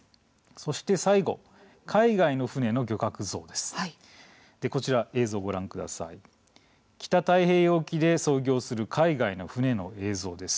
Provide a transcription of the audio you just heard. そして、最後海外の船の漁獲の増加です。